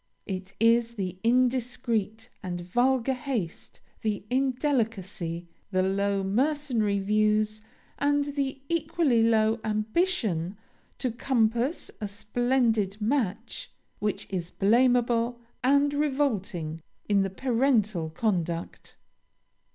It is the indiscreet and vulgar haste, the indelicacy, the low mercenary views, and the equally low ambition to compass a splendid match, which is blameable and revolting in the parental conduct.